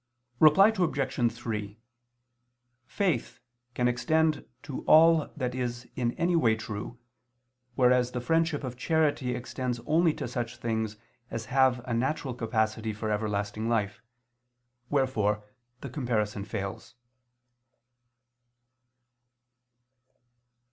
Reply Obj. 3: Faith can extend to all that is in any way true, whereas the friendship of charity extends only to such things as have a natural capacity for everlasting life; wherefore the comparison fails.